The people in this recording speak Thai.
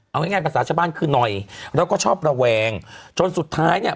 เอาง่ายภาษาชาวบ้านคือหน่อยแล้วก็ชอบระแวงจนสุดท้ายเนี่ย